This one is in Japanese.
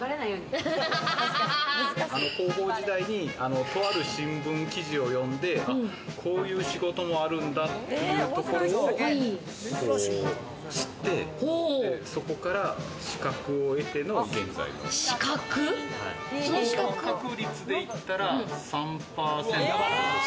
高校時代にとある新聞記事を読んで、こういう仕事もあるんだっていうところを知って、そこから資格を得ての現在の合格率でいったら３％。